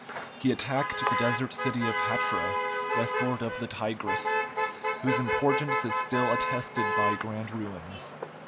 He attacked the desert city of Hatra, westward of the Tigris, whose importance is still attested by grand ruins.